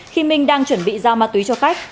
khi minh đang chuẩn bị giao ma túy cho khách